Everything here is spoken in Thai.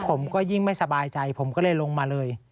ผมก็ยิ่งไม่สบายใจผมก็เลยลงมาเลย